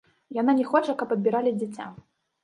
Яна не хоча, каб адбіралі дзіця.